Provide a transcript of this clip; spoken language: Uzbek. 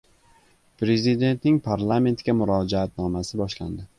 Prezidentning Parlamentga murojaatnomasi boshlandi